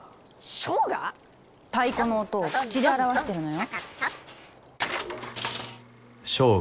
唱歌⁉太鼓の音を口で表してるのよ。